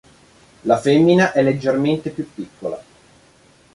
La femmina è leggermente più piccola.